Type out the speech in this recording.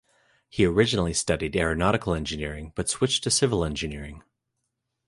He originally studied Aeronautical Engineering but switched to Civil Engineering.